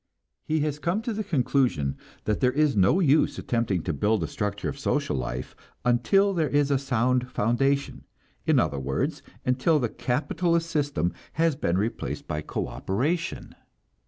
He has come to the conclusion that there is no use attempting to build a structure of social life until there is a sound foundation; in other words, until the capitalist system has been replaced by cooperation.